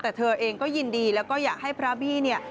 แต่เธอเองก็ยินดีแล้วก็อยากให้พระบี้เนี่ย